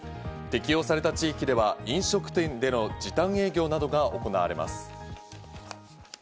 適用された地域では飲食店での時短営業などが行われます。